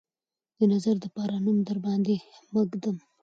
د نظر دپاره نوم درباندې ماه ږدم